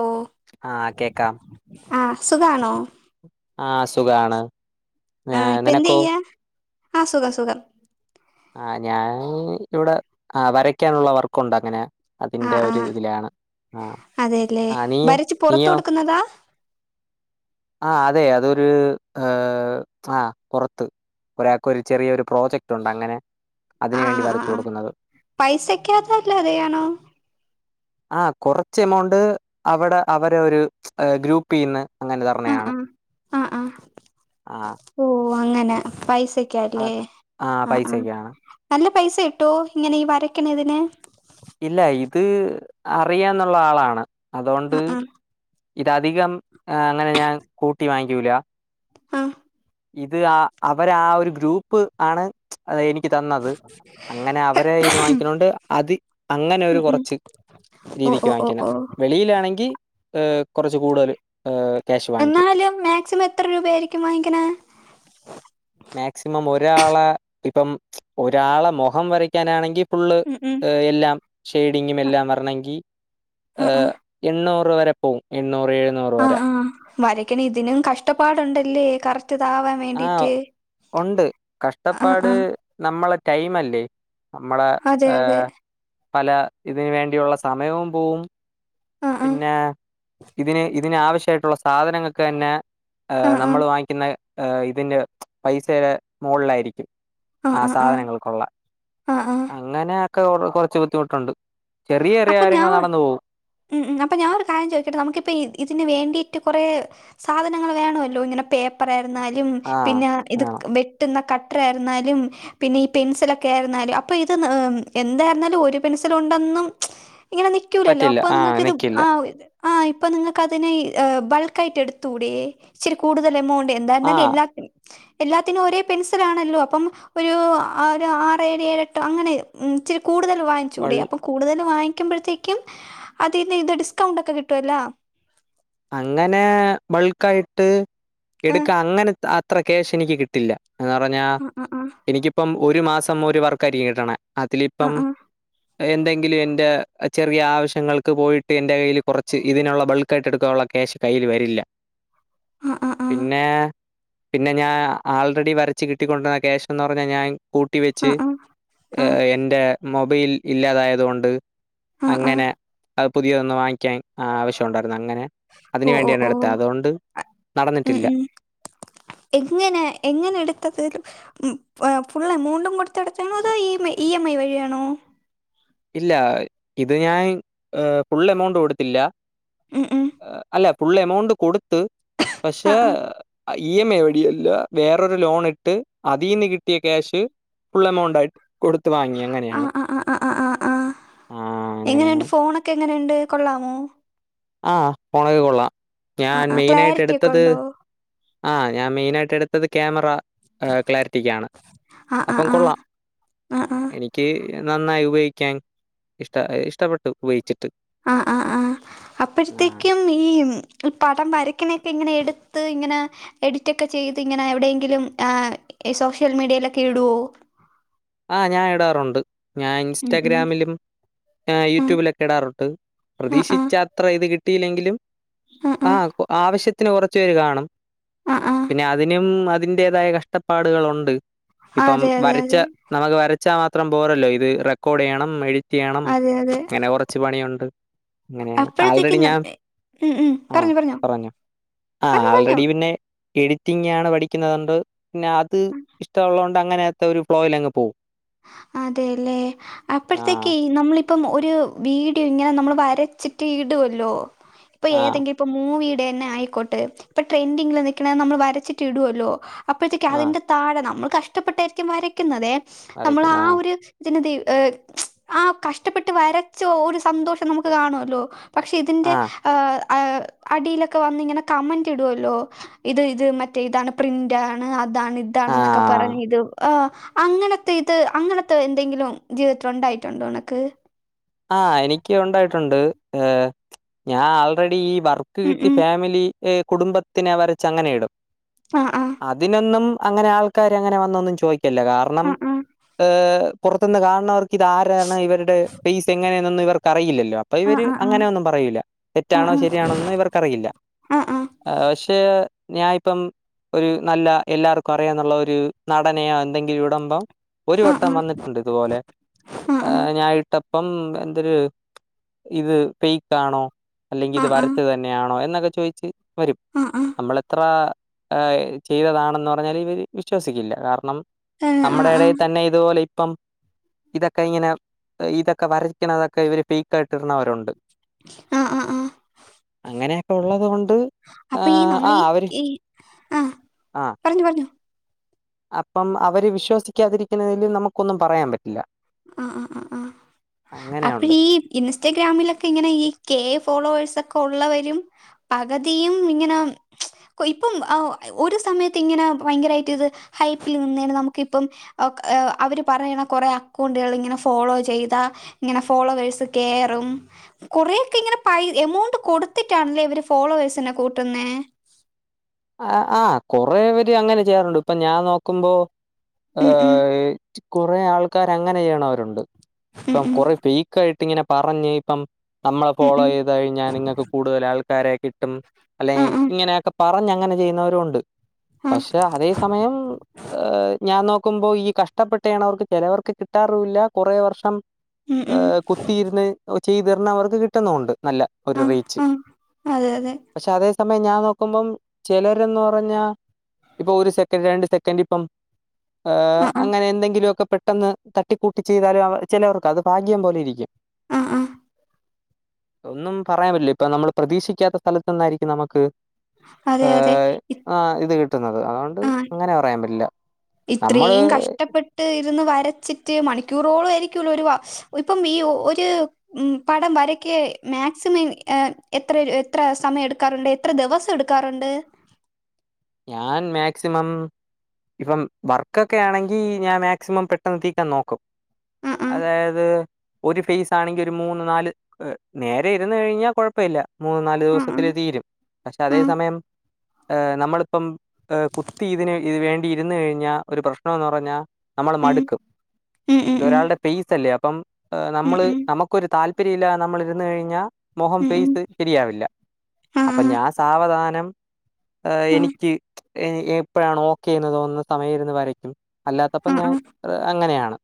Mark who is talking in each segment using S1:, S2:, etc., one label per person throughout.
S1: ഓ
S2: ആ കേക്കാം
S1: ആ സുഖാണോ
S2: ആ സുഖാണ് ഏ
S1: ആ ഇപ്പൊ എന്ത്
S2: നിനക്കോ
S1: ചെയ്യാ ആ സുഖം സുഖം
S2: ആ ഞാൻ ഇവ്ടെ ആ വരയ്ക്കാനുള്ള വർക്കുണ്ട് അങ്ങനെ
S1: ആ
S2: അതിന്റെ
S1: ആ
S2: ഒരു ഇതിലാണ് ആഹ്
S1: അതെ ലെ
S2: ആഹ് നീയോ
S1: വരച്ച് പുറത്ത്
S2: നീയോ
S1: കൊട്ക്കുന്നതാ
S2: ആ അതെ അതൊര് ഏ ആ പൊറത്ത് ഒരാക്ക് ഒരു ചെറിയൊരു പ്രോജക്റ്റ് ഉണ്ട് അങ്ങനെ അതിന്
S1: ആ
S2: വേണ്ടി
S1: ആ
S2: വരച്ചു
S1: ആ
S2: കൊടുക്കുന്നത്
S1: പൈസക്കാത്ത്. അല്ലാതെ ആണോ
S2: ആ കൊറച്ച് എമൗണ്ട് അവടെ അവരെ ഒരു ഗ്രൂപ്പിന്ന് അങ്ങനെ
S1: ആ
S2: തർണയാണ്
S1: ആ ആ ആ
S2: ആ
S1: ഓ അങ്ങനെ പൈസ സക്കാ ലെ
S2: ആഹ്
S1: ആ ആ
S2: പൈസക്കാണ്
S1: അല്ല പി പൈസ കിട്ടോ ഇങ്ങനെ ഈ വരക്ക്ണ ഇതിന്
S2: ഇല്ല ഇത് അറിയന്നുള്ള ആളാണ്
S1: ആ
S2: അതൊണ്ട്
S1: ആ
S2: ഇത്ധികം ആ അങ്ങനെ ഞാൻ കൂട്ടിവാ ക്കുലാ
S1: ആ
S2: ഇത് ആ അവർ ആ ഒരു ഗ്രൂപ്പ് ആണ് അ എനിക്ക് തന്നത് അങ്ങനെ അവരെ ഇന്ന് വാങ്ങിക്കണോണ്ട് അത് അങ്ങനെ ഒരു
S1: ഉം ഉം
S2: കുറച്ച്
S1: ഓ
S2: രീതിക്ക്
S1: ഓ ഓ
S2: വാങ്ങിക്കണ
S1: ഓ
S2: വെളിയിലാണെങ്കിൽ ഏ കുറച്ച് കൂടുതൽ ഏ
S1: എന്നാലും മാക്സിമം എത്ര രൂപ ആയിരിക്കും വാങ്ങിക്കണ
S2: മാക്സിമം ഒരാളെ ഇപ്പം ഒരാളെ മുഖം വരക്കാനാണെങ്കിൽ ഫുള്
S1: ഉം ഉം
S2: എല്ലാം ഷെയ്ഡിങ്ങും
S1: ആ
S2: എല്ലാം വരണമെങ്കിൽ
S1: ആ
S2: ഏ
S1: ആ
S2: എണ്ണൂറ് റ് വരെ പോവും എണ്ണൂറ് എഴുന്നൂറ്
S1: ആ
S2: വരെ
S1: ആ വരയ്ക്കണ ഇതിനും കഷ്ടപ്പാടുണ്ടല്ലേ കറക്
S2: ആ ഉണ്ട്
S1: ആ
S2: കഷ്ടപ്പാട്
S1: ആ
S2: നമ്മളെ ടൈം അല്ലേ നമ്മളെ
S1: അതെ
S2: ഏ
S1: അതെ
S2: പല ഇതിനന് വേണ്ടിയുള്ള സമയവും പോവും
S1: ആഹ്.
S2: പിന്നെ ഇതിന് ഇതിന ആാവശ്യായിട്ടുള്ള സാധനങ്ങൾക്ക തന്നെ
S1: ആഹ്. ആഹ്.
S2: നമ്മൾ വാങ്ങിക്കുന്ന ഇതിന്റെ പൈസയുടെ മോളിലായിരിക്കും
S1: ആഹ്.
S2: ആ
S1: ആഹ്. ആഹ്.
S2: സാധനങ്ങൾക്കുള്ള
S1: ആഹ്. ആഹ്.
S2: അങ്ങനെ ഒക്കെ കുറച്ച് ബുദ്ധിമുട്ടുണ്ട് ചെറിയ ചെറിയ
S1: അപ്പൊ ഞാൻ
S2: കാര്യങ്ങൾ
S1: ഉ
S2: നടന്നു പോകും.
S1: അപ്പൊ ഞാൻ ഒരു കാര്യം ചോദിക്കട്ടെ നമുക്കിപ്പ ഇതിന് വേണ്ടിയിട്ട് കുറേ സാധനങ്ങൾ വേണല്ലോ ഇങ്ങനെ പേപ്പർ ന്നാലും
S2: ആഹ്
S1: പിന്നെ ഇത്
S2: ആഹ്
S1: വെട്ടുന്ന ക എത്ര ആയിരുന്നാലും പിന്നെ ഈ പെൻസിലൊക്കെ ആയിരുന്നാലും അപ്പൊ ഇത് എന്തായിരുന്നാലും ഒരു പെൻസിൽ ട്ടന്നും ഇങ്ങനെ നിക്കുലല്ലോ
S2: പറ്റില്ല
S1: അപ്പൊ
S2: ആഹ്
S1: നിങ്ങൾക്ക ഇത്
S2: നിക്കില്ല.
S1: ആ ആ ഇപ്പൊ നിങ്ങൾക്ക് അതിനെ ബൾക്കായിട്ട് എടുത്തൂടെേ ഇച്ചി രി കൂടുതൽ എമൗണ്ട് എന്തായിരുന്നാലും
S2: ആഹ്
S1: എല്ലാത്തി എല്ലാത്തിനും ഒരേ പെൻസലാണല്ലോ അപ്പം ഒരു ഒരു ആറ് ഏഴ് ഏഴെട്ട് അങ്ങനെ കൂടുതൽ
S2: ബൾ
S1: വാങ്ങിച്ചൂടെ അപ്പം കൂടുതൽ വാങ്ങിക്കുമ്പോഴത്തേക്കും അതിന്ന് ഇത് ഡിസ്കൗണ്ട് ഒക്കെ കിട്ടുവല്ലാ
S2: അങ്ങനെ ബൾക്കായിട്ട്
S1: ആഹ്
S2: എടുക്കാ അങ്ങനെ അത്ര കേശ എനിക്ക് കിട്ടില്ല. എന്ന് പറഞ്ഞാ
S1: ആഹ് ആഹ്
S2: എനിക്കിപ്പം ഒരുമാസം ഒരു വർക്കായിരിക്കും കിട്ടണെ. അതിലിപ്പം
S1: ആഹ്
S2: എന്തെങ്കിലും എന്റെ ചെറിയ ആവശ്യങ്ങൾക്ക് പോയിട്ട് എന്റെ കയ്യിൽ കുറച്ച് ഇതിനുള്ള ബൾക്ക് ആയിട്ട് എടു ക്കൊള്ള കേശ് കയ്യിൽ വരില്ല.
S1: ആഹ് ആഹ് ആഹ്
S2: പിന്നെ പിന്നെ ഞാൻ ആൾറെഡി വരച്ച് കിട്ടിക്കൊണ്ടിരുന്ന ക്യാഷ് എന്ന് പറഞ്ഞാൽ ഞാൻ കൂട്ടി വെച്ച്
S1: ആഹ് ആഹ് ആഹ് ആഹ്
S2: എന്റെ മൊബൈൽ ഇല്ലാതായതുകൊണ്ട്
S1: ആഹ് ആഹ് ആഹ്
S2: അങ്ങനെ അത് പുതിയൊന്ന് വാങ്ങി ക്കേം ആവശ്യം ഉണ്ടായിരുന്നു അങ്ങനെ അതിന്
S1: ഓ ഓ
S2: വേണ്ടിയാണ്
S1: ഓ
S2: എടുത്തത്. അതുകൊണ്ട്
S1: ഉം
S2: നടന്നിട്ടില്ല.
S1: ഉം എങ്ങനെ എങ്ങനെ എടുത്തത്? ഫുൾ എമൗണ്ടും കൊടുത്ത്ടത്താണോ അതോ E M I E M I വഴിയാണോ?
S2: ഇല്ല ഇത് ഞാൻ ഫുൾ എമൗണ്ട് കൊടുത്തില്ല.
S1: ഉം ഉം
S2: അല്ല ഫുൾ എമൗണ്ട് കൊടുത്ത് പക്ഷേ
S1: ആഹ് ആഹ്
S2: ഇ എം ഐ വഴിയല്ല വേറൊരു ലോൺ ഇട്ട് അതിൽന്ന് കിട്ടിയ ക്യാഷ് ഫുൾ എമൗണ്ട് ആയിട്ട് കൊടുത്തു വാങ്ങി അങ്ങനെയാണ്.
S1: ആ
S2: ആഹ് അങ്ങനെയാണ്
S1: എങ്ങനെയണ്ട് ഫോണൊക്കെ എങ്ങനെയുണ്ട് കൊള്ളാമോ?
S2: ആഹ് ഫോണൊക്കെ കൊള്ളാം. ഞാൻ
S1: ആഹ് ആഹ്
S2: മെയിനായിട്ട്
S1: ക്ലാരിറ്റി ഒക്കെ
S2: എട്ത്തത്
S1: ഉണ്ടോ
S2: ആഹ് ഞാൻ മെയിനായിട്ടെടുത്തെ ക്യാമറ എ ക്ലാരിറ്റിക്കാണ്.
S1: ആഹ് ആഹ്
S2: അപ്പം
S1: ആഹ്
S2: കൊള്ളാം
S1: ആഹ് ആഹ്
S2: എനിക്ക് നന്നായി ഉപയോഗിക്കാൻ ഇഷ്ട ഇഷ്ട്ടപ്പെട്ടു. ഉപയോഗിച്ചു.
S1: ആഹ് ആഹ് ആഹ് അപ്പഴത്തേക്കും ഈമ് ഈ പടം വരയ്ക്കിണെക്കെ ഇങ്ങനെ എട്ത്ത് ഇങ്ങനെ എഡിറ്റൊക്കെ ചെയ്ത് ഇങ്ങനെ എവിടേങ്കിലും ആഹ് സോഷ്യൽ മീഡിയയിലൊക്കെ ഇടോ.
S2: ആഹ് ഞാൻ ഇടാറുണ്ട്. ഞാൻ
S1: ഉം ഉം
S2: ഇൻസ്റ്റാഗ്രാമിലും
S1: ആഹ്
S2: യൂട്യൂബിലൊക്കെ ഇടാറുണ്ട്.
S1: ആഹ്
S2: പ്രതീക്ഷിച്ച അത്ര ഇത് കി ട്ടീലെങ്കിലും ആഹ് കൊ ആവശ്യ ത്തിന് കൊറച്ച് പേര് കാണും.
S1: ആഹ് ആഹ് ആഹ്
S2: പിന്നെ അതിനും അതിന്റേതായ കഷ് ഷ്ടപ്പാടുകളൊണ്ട്.
S1: ആഹ് അതെ അതെ അതെ
S2: നമക്ക് വരച്ചാ മാത് ത്രം പോരല്ലോ ഇത് റെക്കോർഡീയണം എഡി റ്റീയ്യണം
S1: അതെ അതെ
S2: ഇങ്ങനെ കൊറച്ച് പണിയുണ്ട്. അങ്ങനെയാണ്. ആൾറെഡി
S1: അപ്പോഴത്തേക്കും
S2: ഞാൻ
S1: നമ്മ ഉം ഉം
S2: ആഹ്
S1: പറഞ്ഞോ പറഞ്ഞോ
S2: പറഞ്ഞൊ ആഹ്
S1: പറഞ്ഞോ പറഞ്ഞോ
S2: ആൾറെഡി പിന്നെ എഡിറ്റിങ്ങാണ് പഠിക്കുന്നത്കൊണ്ട് പിന്നെ അത് ഇഷ്ടള്ളോ ണ്ട് അങ്ങനേത്തെ ഒരു ഫ്ലോയിലങ്ങ് പോവും
S1: അതേല്ലേ
S2: ആ,
S1: അപ്പഴത്തേക്ക് ഈ നമ്മളി പ്പം ഒരു വീട് ഇങ്ങനെ നമ്മള് വരച്ച്ട്ട് ഇടുവല്ലോ ഇപ്പൊ
S2: ആ,
S1: ഏതെങ്കിലും ഇപ്പൊ മൂവീ ടെന്നെ ആയിക്കോട്ടെ ഇപ്പ ട്രൻഡിങ്ങില് നിക്ക്ണേ നമ്മൾ വരച്ചിട്ട് ഇടോലോ അപ്പഴത്തേക്ക്
S2: ആ
S1: അതിന്റെ താഴെ നമ്മൾ കഷ്ട്ടപ്പെട്ടായിരിക്കും വരയ്ക്ക്ന്നതേ നമ്മൾ ആ ഒരു ജനതയു ഏഹ് ആഹ് കഷ്ട്ടപ്പെട്ട് വരച്ച ഒരു സന്തോഷം നമുക്ക് കണോല്ലോ പക്ഷേ ഇതിന്റെ
S2: ആ,
S1: ഹ് അടീലൊക്കെ വന്ന ഇങ്ങനെ കമന്റ് ഇടോല്ലോ ഇത് ഇത് മറ്റേ ഇതാണ് പ്രിന്റാണ് അ താണ് ഇതാണെന്നൊക്കെ പറഞ്
S2: ആ.
S1: ഇത് ആഹ് അങ്ങനെ ത്തെ ഇത് അങ്ങനത്തെ എന്തെങ്കിലും ജീവിതത്തിൽ ഉണ്ടായിട്ടുണ്ടോ ഇണക്ക്
S2: ആഹ് എനിക്ക് ഉണ്ടായിട്ടുണ്ട് ഏ ഞാൻ ആൾറെഡീ വർക്ക്
S1: ഉം
S2: കിട്ടി
S1: ഉം
S2: ഫാമിലി ഈ കുടുംബത്തിനെ വരച്ച് അങ്ങനെയിടും
S1: ആ ആ
S2: അതിനെന്നും അങ്ങനെ ആൾക്കാര് അങ്ങനെ വന്നൊന്നും ചോയി ഇല്ല കാരണം
S1: ആ ആ
S2: ഏഹ് പോർത്ത്ന്ന് കാൺണവർക്ക് ഇത് ആരാണ് ഇവര്ടെ ക്കറിയില്ല അപ്പൊ
S1: ആ
S2: ഇവര്
S1: ആ ആ
S2: അങ്ങനൊന്നും പറയൂല
S1: ആ
S2: തെറ്റാണോ ശരിയാണോന്നും ഇവർക്കറിയില്ല
S1: ആ ആ ആ
S2: ഏഹ് പക്ഷേ ഞാ ഇപ്പം ഒരു നല്ല എല്ലാർക്കും അറിയാന്നൊള്ള ഒര് നടനെയോ എന്തെങ്കിലിടുമ്പം ഒരു വട്ടം വന്നിട്ടുണ്ട് ത്പോലെ ഏഹ് ഞാൻ ഇ അപ്പം എന്തൊര് ഇത് പെയ്ക്കാണോ അല്ലെങ്കി ഇത് വരച്ചതെന്ന്യാണോ എന്നൊക്കെ ചോയ്ച്ച് വരും നമ്മൾ എത്ര എഹ് ചെയ്തതാണെന്ന് പറഞ്ഞാലും ഇവര് വിശ്വസിക്കില്ല കാർ നമ്മടെ എടയി തന്നെ ഇതുപോലെ പ്പം ഇതൊക്കെ ഇങ്ങനെ ഇതൊക്കെ വരയ്ക്കണതൊക്കെ ഇവര് ഫേക്കായിട്ട് ഇര്ണവരുണ്ട്. അങ്ങനെയെക്കെ ഉള്ളത് കൊണ്ട്
S1: അപ്പൊ ഈ
S2: ആഹ്
S1: നമ്മൾ
S2: ആ
S1: ഈ
S2: അവര്
S1: ഈ- ആ
S2: ആഹ്
S1: പറഞ്ഞു പറഞ്ഞു
S2: അപ്പം അവര് വിശ്വസിക്കാതിരിക്കുന്നതിലും നമുക്കൊന്നും പറയാം പറ്റില്ല.
S1: ആഹ് ആഹ് ആഹ് ആ
S2: അങ്ങനെയുണ്ട്
S1: അപ്പഴീ ഇൻസ്റ്റഗ്രാമിലൊക്കെ ഇങ്ങനെ ഈ കെ ഫോളോവേഴ്സ് ക്ക ഒള്ളവരും പകുതിയും ഇങ്ങനെ ഇപ്പം ഒരു സമയത്ത് ഇങ്ങനെ ഭയങ്കരായിട്ട് ഇത് ഹൈപ്പിൽ നിന്നാണ് നമുക്ക് ഇപ്പം അവര് പറയണ കൊറേ അക്കൗണ്ടുകൾ ഇങ്ങന ഫോളോ ചെയ്താ ഇങ്ങനെ ഫോളോവേഴ്സ് കേറും കുറെയൊക്കെ ഇങ്ങനെ പൈ എമൗണ്ട് കൊടുത്തിട്ടാണല്ലേ ഇവര് ഫോളോവേഴ്സിനെ കൂട്ടുന്നെ?
S2: ആ ആഹ് കൊറെ വേര് അങ്ങനെ ചെയ്യാറുണ്ട് ഇപ്പൊ ഞാൻ നോക്കുമ്പോ ഹ
S1: ഉം ഉം
S2: ഈ കൊറേ ആൾക് ആൾക്കാര് അങ്ങനെ ചെയ്യണവരുണ്ട്
S1: ഉം
S2: ഇപ്പം
S1: ഉം
S2: കൊറെ ഫേക്കായിട്ട് ഇങ്ങനെ പറഞ്ഞ് ഇപ്പം നമ്മളെ
S1: ഉം
S2: ഫോളോ
S1: ഉം
S2: ചെയ്ത് കഴിഞ്ഞാൽ നിങ്ങൾക്ക് കൂടുതൽ ആൾക്കാരെ കിട്ടും അല്ലെങ്കി
S1: ആഹ് ആഹ്
S2: ഇങ്ങനൊക്കെ പ അങ്ങനെ ചെയ്യുന്നവരും ഒണ്ട്
S1: ആഹ്
S2: പക്ഷെ അതേ സമയം ഞാൻ നോ നോക്കുമ്പോ ഈ കഷ്ടപ്പെട്ടാണെ വർക്ക് ചെലവർക്ക് കിട്ടാറൂല്ല കൊറേ വർഷം
S1: ഉം
S2: ഹാ
S1: ഉം
S2: കുത്തിയിരുന്ന് ചെയ്ത് എന്നാ അവർക്ക് കിട്ടുന്നോണ്ട് നല്ല ഒരു
S1: ആഹ്
S2: റീച്ച്
S1: ആഹ് അതെ അതെ
S2: പക്ഷെ അതേയ സമ അമ്മയെഞാൻ നോക്കുമ്പോം ചെലരെന്ന് പറഞ്ഞാ ഇപ്പൊ ഒരു സെക്കൻഡ് രണ്ട് സെക്കൻഡ് ഇപ്പം ഏ
S1: ആഹ് ആഹ്
S2: അങ്ങനെ എന്തെങ്കിലുമോക്കെ പെട്ടെന്ന് തട്ടിക്കൂട്ടി ചെയ്താലും ചെലവർക്ക് അത് ഭാഗ്യം പോലെ ഇരിക്കും
S1: ആഹ് ആഹ്
S2: ഒന്നും പറയാൻ പറ്റില്ല ഇപ്പൊ നമ്മൾ പ്രതീക്ഷിക്കാത്ത സ്ഥലത്ത്ന്നായിരിക്കും നമുക്ക്
S1: അതെ അതെ
S2: ഏഹ ആ ഇത് കിട്ടുന്നു ആണ്ട്
S1: ആഹ്
S2: അങ്ങനെ പറയാൻ പറ്റില്ല നമ്മള്
S1: ഇത്രയും കഷ്ടപ്പെട്ട് ഇരുന്ന് വരച്ചിട്ട് മണിക്കൂറോളം ക്കൂലൊരുവ ഇപ്പം ഈ ഒരു പടം വരക്ക് മാക്സിമം എത്ര എത്ര സമയം എടുക്കാറുണ്ട് എത്ര ദിവസം എടുക്കാറുണ്ട്
S2: ഞാൻ മാക്സിമം ഇപ്പം വർക്കൊക്കെ ആണെങ്കി ഞാൻ മാക്സിമം പെട്ടെന്ന് തീക്കാൻ നോക്കും
S1: ആഹ് ആഹ്
S2: അതായത് ഒരു ഫെയ്സ് ആണെങ്കിൽ ഒരു മൂന്ന് നാല് നേരെ ഇരുന്ന് കഴിഞ്ഞാൽ കൊഴപ്പമില്ല മൂന്ന് നാല് ദിവസത്തിൽ
S1: ആഹ്
S2: തീരും പക്ഷെ അതേ
S1: ആഹ്
S2: സമയംഹ് നമ്മൾ ഇപ്പം കുത്തി ഇതിന് ഇത് വേണ്ടി ഇരുന്ന് കഴിഞ്ഞാ ഒരു പ്രശ്നോന്ന് പറഞ്ഞാ ഇപ്പം നമ്മൾ
S1: ഉം
S2: മടുക്കും
S1: ഉം ഉം
S2: ഇതൊരാളുടെ പേസ് അല്ലേ ഇപ്പം
S1: ഉം
S2: നമ്മള്
S1: ഉം
S2: നമുക്കൊരു താല്പര്യം ഉപ്പരിയില്ല നമ്മളിരുന്നു കഴിഞ്ഞാൽ മോഹം
S1: ഉം ഉം ഉം
S2: ഫേസ് ശരിയാവില്ല
S1: ആഹ്
S2: അപ്പഞാൻ സാവധാനം ആ
S1: ആഹ്
S2: എനിക്ക് എപ്പോഴാണ് ഓക്കെന്ന് തോന്നുന്ന സമയം ഇരുന്ന് വരയ്ക്കും അല്ലാത്തപ്പം
S1: ആഹ്
S2: ഞാൻ
S1: ആഹ്
S2: അ അങ്ങനെയാണ്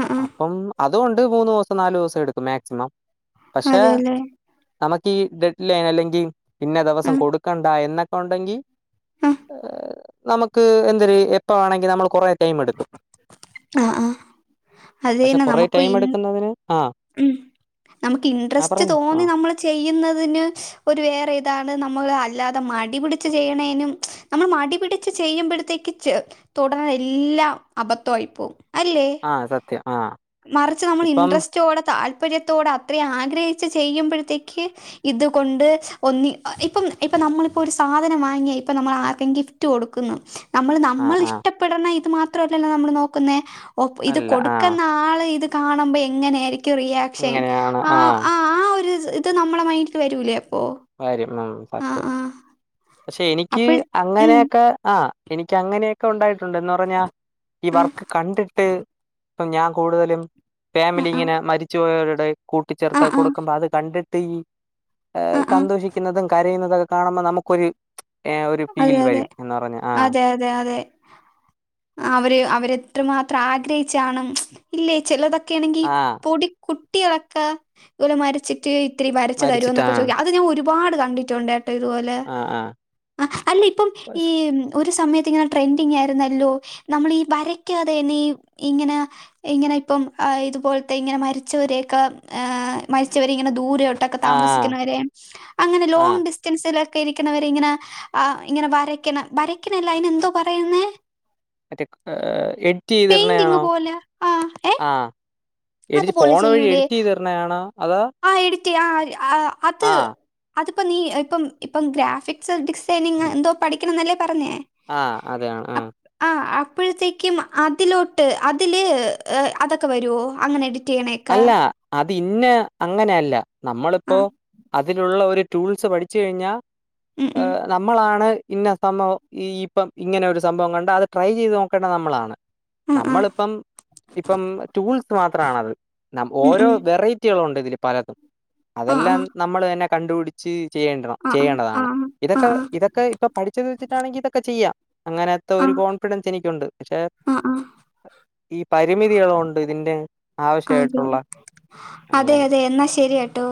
S1: ആഹ് ആഹ്
S2: അപ്പം അതുകൊണ്ട് മൂന്ന് ദിവസം നാലു ദിവസം എടുക്കും മാക്സിമം
S1: അതെ അല്ലെ
S2: ഈഡെഡ് ലൈൻ അല്ലെങ്കിൽ പിന്നെ ദിവസം
S1: ആഹ്
S2: കൊടുക്കണ്ട എന്നൊക്കെ ഉണ്ടെങ്കിൽ
S1: ആഹ്
S2: നമുക്ക് എന്തരു എപ്പ ആണെങ്കിൽ നമ്മൾ കൊറെ ടൈം എടുക്കും
S1: ആഹ ആ അത്
S2: പക്ഷെ
S1: തന്നെ
S2: കൊറേ
S1: നമുക്ക്
S2: ടൈം
S1: ഉം
S2: എടുക്കുന്നതിന് ആഹ്
S1: നമുക്ക്
S2: ആ
S1: ഇട്രസ്റ്റ്
S2: പറഞ്ഞോ
S1: തോന്നി
S2: ആഹ്
S1: നമ്മൾ ചെയ്യുന്നതിന് ഒരു വേറെ ഇതാണ് അത് നമ്മള് അല്ലാതെ മടിപിടിച്ച് ചെയ്യണേനും നമ്മൾ മടിപിടിച്ച് ചെയ്യുമ്പോഴത്തേക്കി തുടരെ എല്ലാം അബദ്ധമായി പോവും
S2: ആഹ സത്യ
S1: മറിച്ച് നമ്മൾ ഇൻട്രസ്റ്റോടെ താല്പര്യത്തോട് അത്രെം ആഗ്രഹിച്ച് ചെയ്യുമ്പോഴത്തേക്ക് ഇത്കൊണ്ട് ഒന്നി ഇപ്പം ഇപ്പൊ നമ്മളിപ്പോ ഒരു സാധനം വാങ്ങിയ ഇപ്പ നമ്മൾ ആർക്കും ഗിഫ്റ്റ് കൊടുക്കുന്നു നമ്മൾ നമ്മൾ
S2: ആഹ് ആഹ്
S1: ഇഷ്ടപ്പെടുന്ന മാത്രല്ലല്ലോ നമ്മള് നോക്കുന്നേ ഓ ഇത്
S2: അല്ല
S1: കൊടു ക്കെ
S2: ആഹ്
S1: നാളെ ഇത് കാണുമ്പ എങ്ങനെ ആയിരിക്കും? ക്ക് റിയാക്ഷൻ
S2: ഇങ്ങനെയാണ്
S1: ആ
S2: ആഹ്
S1: ആ ഒരുത് ഇത് നമ്മളെ മൈൻഡ്ല് വരൂല്ലേ അപ്പോൾ?
S2: ആര്യം. ആ സത്യം. പക്ഷെ എനിക്ക്
S1: അപ്പോൾ ഉം,
S2: അങ്ങനെക്കെ ആ എനിക്ക് അങ്ങനെയൊക്കെ ഉണ്ടായിട്ട് ണ്ടന്ന് പറഞ്ഞാ ഈ
S1: ആ
S2: വർക്ക് കണ്ടിട്ട് ഇപ്പൊ ഞാൻ കൂടുതലും
S1: ആ
S2: ഫാമിലി
S1: ആ
S2: ഇങ്ങനെ മരിച്ചു പോയവരു കൂട്ടി ചേർത്ത
S1: ആ
S2: അത്
S1: ആ
S2: കൊടുക്കുമ്പോ അത് കണ്ടിട്ട് തെയ്
S1: ആ ആ
S2: സന്തോഷിക്കുന്നതും കരയുന്നതും ഇതൊക്കെ കാണുമ്പോൾ നമുക്കൊരരീ ഏ ഒരു
S1: അതെ
S2: ഫീൽ വരും എന്ന് പറഞാ ആ
S1: ആ അവര് അവരത്രമാത്രം ആഗ്രഹിച്ചാണ്ും ഇല്ലേ ചിലതൊക്കെ ണെങ്കിൽ
S2: ആഹ്
S1: പൊടി കുട്ടി കളൊക്കെ ദെ പോലെ മരിച്ചിട്ട് ഇത്തിരി വരച്
S2: മരിച്ചിട്ട്
S1: തരോന്നൊക്കെ
S2: ആഹ്
S1: ചോയ്ക്കാൻ അത് ഞാനൊരു ഒരുപാട് കണ്ടിട്ടുണ്ട് ഇതുപോലെ
S2: ആഹ് ആഹ്
S1: അ അല്ലി ഈ
S2: പഷ്
S1: ഒരു സമയത്ത് ഇങ്ങനെ ട്രെൻഡിങ് ആയിരുന്നല്ലോ നമ്മളീ ഈ വരയ്ക്കുന്നത് തന്നെ ഈ ഇങ്ങനെ ഇങ്ങനെ ഇപ്പം ഇതുപോലത്തെ ഇങ്ങനെ മരിച്ചവരെയൊക്കെ മരിച്ചവരെ ഇങ്ങനെ ദൂര ടൊക്കെ
S2: ആഹ്
S1: താമസിക്കുന്നവരെ അങ്ങനെ
S2: ആഹ്
S1: ലോങ്ങ്‌ ഡിസ്റ്റൻസില് ഒക്കെ ഇരിക്കുന്നവർ ഇങ്ങനെ ആ് ഇങ്ങനെ വരയ്ക്കണ വരയ്ക്കണല്ല അയ്ൻ എന്തോ പറയുന്നേ
S2: മറ്റേ എഡിറ്റ് ചെയ്തിടി
S1: പെയിന്റിങ്
S2: നയാണോ
S1: പോലെ ആ ഏ അതുപോലെ ചെയ്യൂലേ [unintelligible]
S2: അതോ
S1: ആ എഡിറ്റെയ്യാം ആ അത്
S2: ആഹ്
S1: അതിപ്പോ നീ ഇപ്പം ഇപ്പം ഗ്രാഫിക്സ് ഡിസൈനിങ് എന്തോ പഠിക്കണെ ന്നെല്ലേ പറഞ്ഞെ
S2: ആഹ്
S1: [unintelligible]
S2: അതാണ്
S1: അപ്
S2: ആഹ്
S1: അ ആ അപ്പോഴത്തേക്കും അതിലോട്ട് അതില് അതൊക്കെ വരുമോ അങ്ങനെ എടു
S2: അല്ല അ അത് ഇന്ന അങ്ങനെയല്ല
S1: ആ
S2: നമ്മളിപ്പോ അതിനലുള്ള ഒരു ടൂൾസ് പഠിച്ചച്ച് കഴിഞ്ഞാൽ
S1: ഉം
S2: ഏ
S1: ഉം
S2: നമ്മളാണ് ഇന്ന സംഭവംഈ ഇപ്പം ഇങ്ങനെ ഒരു സംഭവം കണ്ട അത് ട്രൈ ചെയ്ത് നോക്കേണ്ടത് നമ്മളാണ്
S1: ആ ആ
S2: നമ്മളിപ്പം ഇപ്പം ടൂൾസ് മാത്രണത്
S1: ഉം
S2: ഓരോ
S1: ഉം
S2: വെറൈറ്റി ണ്ട് ഇതിൽ പലതും
S1: ആ ആ
S2: അതെല്ലാം നമ്മള് എന്നെ കണ്ടുപിടിച്ച് ചെയ്യേണ്ടണം
S1: ആ ആ ആ
S2: ചെയ്യേണ്ടതാണ്
S1: ആ
S2: ഇതൊക്കെ ഇതൊക്കെ ഇപ്പൊ പഠിച്ചത് വെച്ചിട്ടാണെങ്കിൽ ഇതൊക്കെ ചെയ്യാം അങ്ങനത്തെ
S1: ആ
S2: ഒരു കോൺഫിഡൻസ് എനിക്കുണ്ട് പക്ഷെ
S1: ആ ആ ആ
S2: ഈ പരിമിതികള ഉണ്ട് ഇതിൻന്റെ ആവശ്യമായിട്ട്
S1: അതെ അതെ അതെ എന്നാ ശരിയാട്ടോ